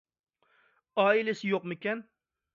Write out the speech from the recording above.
ئائىلىسى يوقمىكەن؟